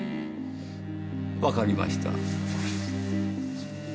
わかりました。